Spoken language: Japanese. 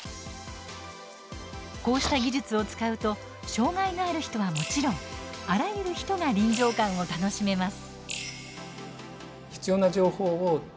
こうした技術を使うと障害のある人はもちろんあらゆる人が臨場感を楽しめます。